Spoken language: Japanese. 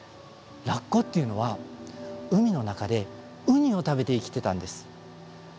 ラッコっていうのは海の中でウニを食べて生きてたんです。